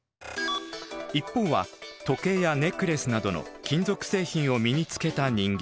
一方は時計やネックレスなどの金属製品を身につけた人形。